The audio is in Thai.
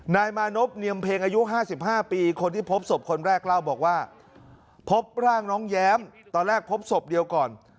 นายมานพเนียมเพลงอายุ๕๕ปีคนที่พบศพคนแรกเล่าบอกว่าพบร่างน้องแย้มตอนแรกพบศพเดียวก่อน